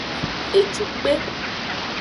Ecukpe.